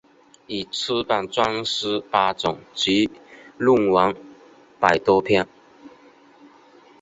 已出版专书八种及论文百多篇。